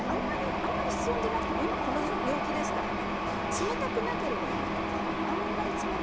あんまり室温じゃなくても今この陽気ですから冷たくなければいいという感じですね